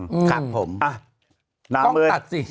ครับผมน้ำเมืองกล้องตัดสิ